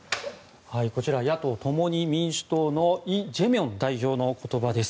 こちら、野党・共に民主党のイ・ジェミョン代表の言葉です。